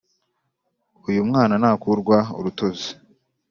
Uyu mwana ntakurwa urutozi